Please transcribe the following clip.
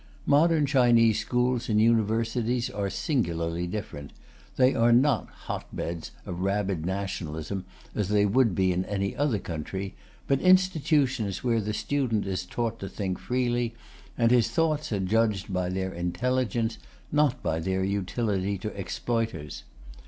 Modern Chinese schools and universities are singularly different: they are not hotbeds of rabid nationalism as they would be in any other country, but institutions where the student is taught to think freely, and his thoughts are judged by their intelligence, not by their utility to exploiters.